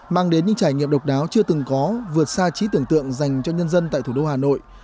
mang đến những trải nghiệm độc đáo chưa từng có vượt xa trí tưởng tượng dành cho nhân dân tại thủ đô hà nội